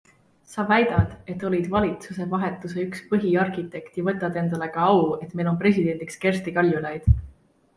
Sa väidad, et olid valitsuse vahetuse üks põhiarhitekt ja võtad endale ka au, et meil on presidendiks Kersti Kaljulaid?